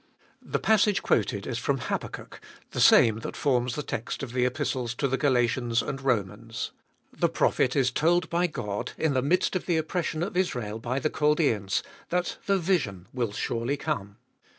The passage quoted is from Habakkuk, the same that forms the text of the Epistles to the Galatians and Romans. The 1 Draw back. 27 418 Cbe Doltest of ail prophet is told by God, in the midst of the oppression of Israel by the Chaldaeans, that the vision will surely come.